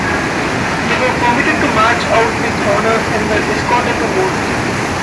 They were permitted to march out with honour and were escorted to Mons.